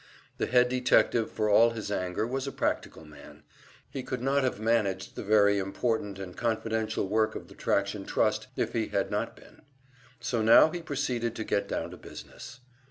The head detective, for all his anger, was a practical man; he could not have managed the very important and confidential work of the Traction Trust if he had not been. So now he proceeded to get down to business.